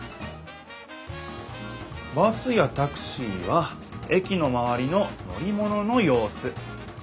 バスやタクシーは駅のまわりの乗り物のようす。